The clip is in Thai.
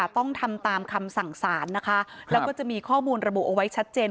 ต้องทำตามคำสั่งสารนะคะแล้วก็จะมีข้อมูลระบุเอาไว้ชัดเจน